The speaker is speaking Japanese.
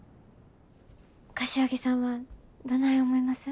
柏木さんはどない思います？